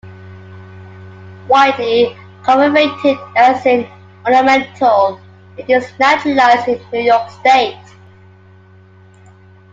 Widely cultivated as an ornamental, it is naturalized in New York State.